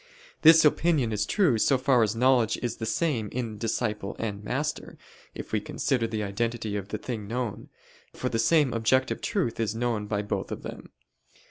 This opinion is true so far as knowledge is the same in disciple and master, if we consider the identity of the thing known: for the same objective truth is known by both of them.